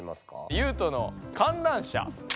ユウトの観覧車。